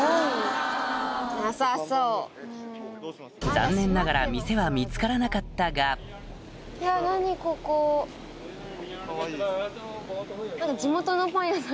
残念ながら店は見つからなかったがかわいいですね。